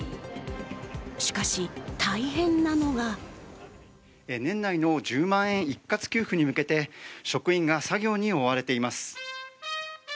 しかし、大変なのが年内の１０万円一括給付に向けて職員が作業に追われています。